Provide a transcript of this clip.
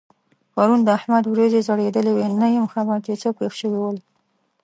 پرون د احمد وريځې ځړېدلې وې؛ نه یم خبر چې څه پېښ شوي ول؟